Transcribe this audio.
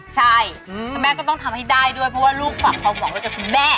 ใช่แล้วแม่ก็ต้องทำให้ได้ด้วยเพราะว่าลูกฝากความหวังไว้กับคุณแม่